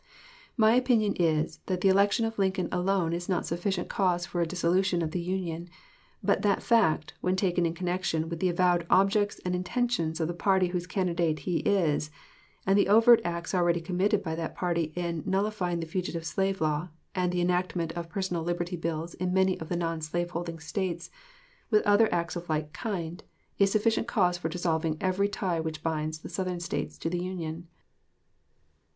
My opinion is, that the election of Lincoln alone is not sufficient cause for a dissolution of the Union; but that fact, when taken in connection with the avowed objects and intentions of the party whose candidate he is, and the overt acts already committed by that party in nullifying the fugitive slave law, and the enactment of personal liberty bills in many of the non slave holding States, with other acts of like kind, is sufficient cause for dissolving every tie which binds the Southern States to the Union.